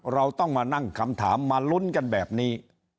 เราต้องมานั่งคำถามมาลุ้นกันแบบนี้